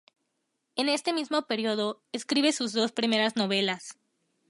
En este mismo período, escribe sus dos primeras novelas.